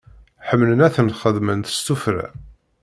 Ḥemmlen ad tent-xedmen s tufra.